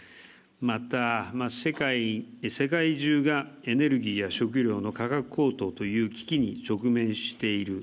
また、世界中がエネルギーや食料の価格高騰という危機に直面している。